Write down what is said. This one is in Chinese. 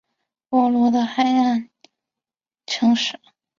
波罗的海沿岸城市。